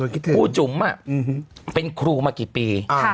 ครูจุ๋มเป็นครูมากี่ปี